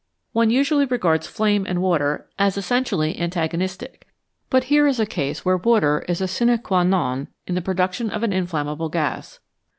One usually regards flame and water as essentially antagonistic, but here is a case where water is a sine qua non in the pro duction of an inflammable gas.